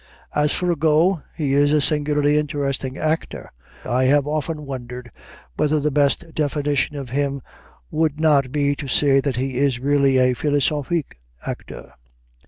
As for Got, he is a singularly interesting actor. I have often wondered whether the best definition of him would not be to say that he is really a philosophic actor.